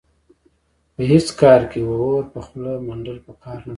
په هېڅ کار کې اور په خوله منډل په کار نه دي.